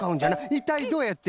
いったいどうやって？